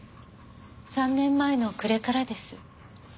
３年前の暮れからです。